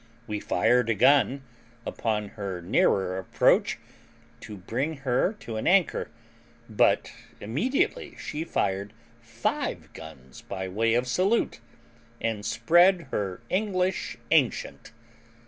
We fired a gun, upon her nearer approach, to bring her to an anchor, but immediately she fired five guns by way of salute, and spread her English ancient.